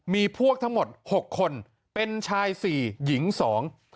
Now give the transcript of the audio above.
มีพวกทั้งหมดหกคนเป็นชายสี่หญิงสอง